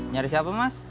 nyari siapa mas